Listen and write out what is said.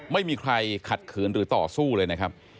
ไม่มีใครขัดขืนหรือต่อสู้เลยนะครับ